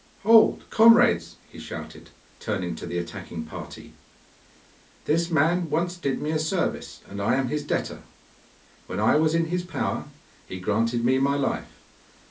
'Hold, comrades!' he shouted, turning to the attacking party. 'This man once did me a service, and I am his debtor. When I was in his power he granted me my life.